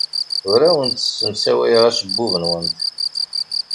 Ur awent-ssemsawayeɣ acebbub-nwent.